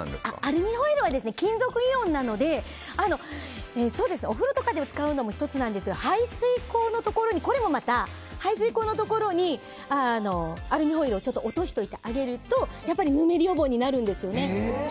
アルミホイルは金属イオンなのでお風呂とかで使うのも１つですが排水口のところにアルミホイルを落としておいてあげるとぬめり予防になるんですよね。